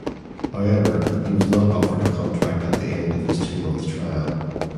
However, he was not offered a contract at the end of his two-month trial.